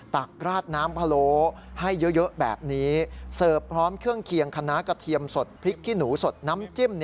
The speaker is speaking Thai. ราดน้ำพะโล้ให้เยอะแบบนี้เสิร์ฟพร้อมเครื่องเคียงคณะกระเทียมสดพริกขี้หนูสดน้ำจิ้ม